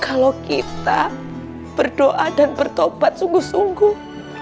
kalau kita berdoa dan bertobat sungguh sungguh